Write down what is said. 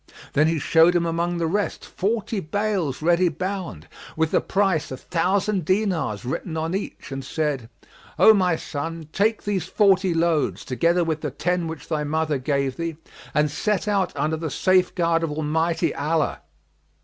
Then he showed him among the rest, forty bales ready bound, with the price, a thousand dinars, written on each, and said, "O my son take these forty loads, together with the ten which thy mother gave thee, and set out under the safeguard of Almighty Allah.